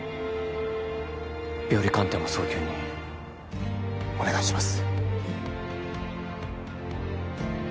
病理鑑定も早急にお願いします